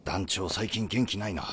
最近元気ないな。